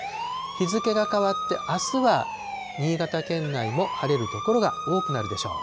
日付が変わってあすは、新潟県内も晴れる所が多くなるでしょう。